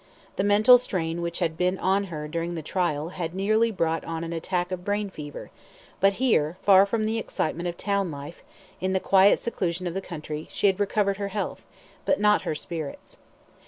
The mental strain which had been on her during the trial had nearly brought on an attack of brain fever; but here, far from the excitement of town life, in the quiet seclusion of the country, she had recovered her health, but not her spirits.